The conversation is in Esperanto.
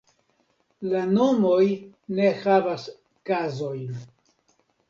La nomoj ne havas kazojn.